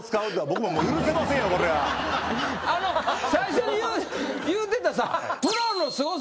最初に言うてたさ。